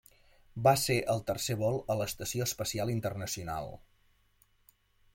Va ser el tercer vol a l'Estació Espacial Internacional.